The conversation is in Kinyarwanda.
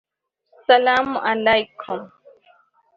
Saalam Alekum”